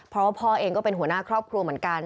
เพราะว่าพ่อเองก็เป็นหัวหน้าครอบครัวเหมือนกัน